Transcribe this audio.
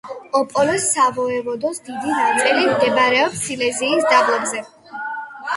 ოპოლეს სავოევოდოს დიდი ნაწილი მდებარეობს სილეზიის დაბლობზე.